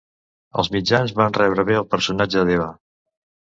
Els mitjans van rebre bé el personatge d'Eva.